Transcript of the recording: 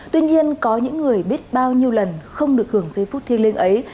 tuy nhiên có những người biết bao nhiêu lần không được hưởng giây phút thiêng liêng ấy